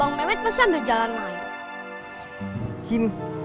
aduh gue capek nih met